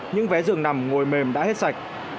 những vé dường nằm ngồi mềm đã hết sạch